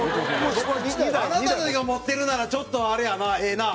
あなたたちが持ってるならちょっと、あれやな、ええな。